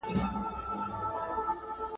که ته همت وکړې نو هر څه ممکن دي.